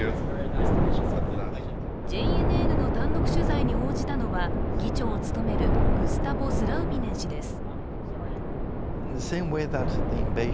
ＪＮＮの単独取材に応じたのは議長を務めるグスタボ・スラウビネン氏です。